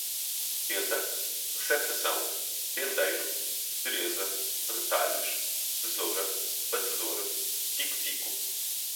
tenda, receptação, tendeiro, teresa, retalhos, tesoura, batedor, tico-tico